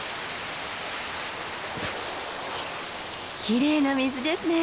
きれいな水ですね。